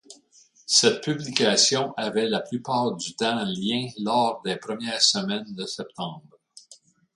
Cette publication avait la plupart du temps lien lors des premières semaines de septembre.